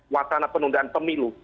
watana penundaan pemilu